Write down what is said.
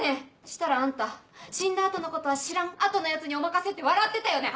したらあんた死んだ後のことは知らん後のヤツにお任せって笑ってたよね。